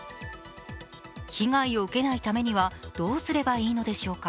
被害を受けないためにはどうすればいいのでしょうか。